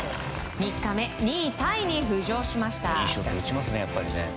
３日目、２位タイに浮上しました。